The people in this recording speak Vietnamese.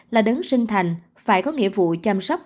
là đấng sinh thành phải có nghĩa vụ chăm sóc